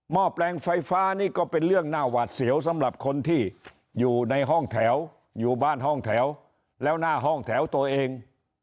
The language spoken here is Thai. แปลงไฟฟ้านี่ก็เป็นเรื่องน่าหวาดเสียวสำหรับคนที่อยู่ในห้องแถวอยู่บ้านห้องแถวแล้วหน้าห้องแถวตัวเอง